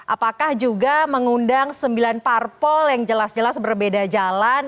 apakah juga mengundang sembilan parpol yang jelas jelas berbeda jalan